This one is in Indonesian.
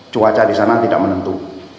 cuaca di sana tidak menentu